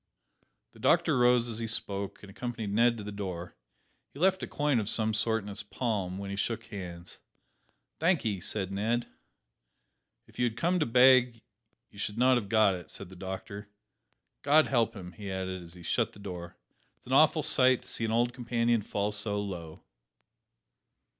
The doctor rose as he spoke, and accompanied Ned to the door. He left a coin of some sort in his palm, when he shook hands. "Thankee," said Ned. "If you had come to beg, you should not have got it," said the doctor. "God help him!" he added as he shut the door; "it is an awful sight to see an old companion fall so low."